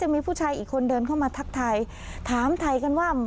ไม่เห็นแล้ว